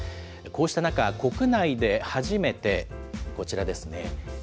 こうした中、国内で初めて、こちらですね。